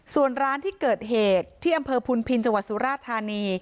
ส่วนร้านที่เกิดเหตุที่อำเภอพุนพินจังหวัดสุราธานี